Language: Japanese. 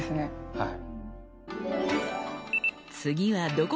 はい。